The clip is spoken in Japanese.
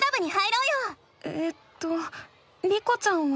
えっとリコちゃんは？